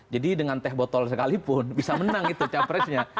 jadi dengan teh botol sekalipun bisa menang itu capresnya